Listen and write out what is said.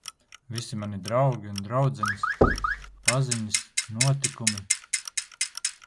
Visi mani draugi un draudzenes... paziņas... notikumi...